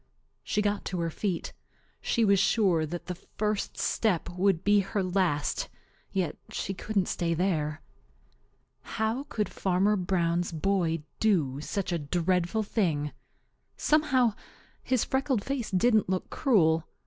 She got to her feet. She was sure that the first step would be her last, yet she couldn't stay there. How could Fanner Brown's boy do such a dreadful thing? Somehow, his freckled face didn't look cruel.